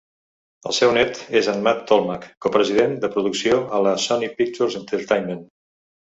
El seu net és en Matt Tolmach, copresident de producció a la Sony Pictures Entertainment.